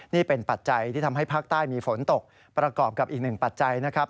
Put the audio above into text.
นี่เป็นปัจจัยที่ทำให้ภาคใต้มีฝนตกประกอบกับอีกหนึ่งปัจจัยนะครับ